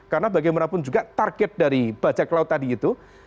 karena bagaimanapun juga target dari bajak laut tadi itu